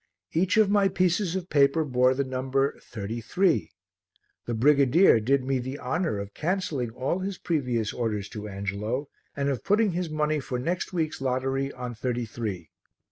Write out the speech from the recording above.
Each of my pieces of paper bore the number thirty three. The brigadier did me the honour of cancelling all his previous orders to Angelo and of putting his money for next week's lottery on thirty three.